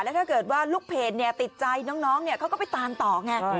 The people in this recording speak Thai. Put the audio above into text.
ถ้าเกิดว่าลูกเพจติดใจน้องเขาก็ไปตามต่อไง